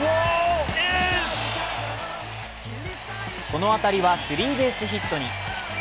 この当たりはスリーベースヒットに。